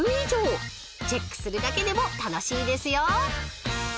［チェックするだけでも楽しいですよ］